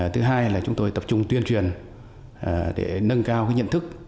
thứ hai là chúng tôi tập trung tuyên truyền để nâng cao nhận thức